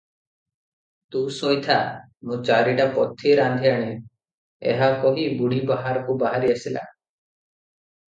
“ତୁ ଶୋଇଥା’, ମୁଁ ଚାରିଟା ପଥି ରାନ୍ଧି ଆଣେଁ,” ଏହା କହି ବୁଢ଼ୀ ବାହାରକୁ ବାହାରି ଆସିଲା ।